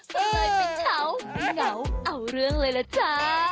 ก็เลยเป็นเฉาเป็นเหงาเอาเรื่องเลยล่ะจ๊ะ